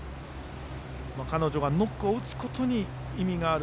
彼女がノックを打つことに意味がある。